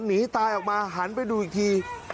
หนีตายออกมาหันไปดูอีกที